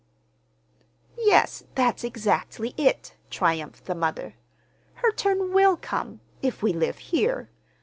"Yes, that's exactly it," triumphed the mother. "Her turn will come—if we live here.